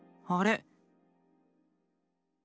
あれ？